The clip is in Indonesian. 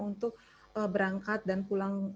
untuk berangkat dan pulang